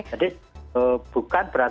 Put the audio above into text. jadi bukan berarti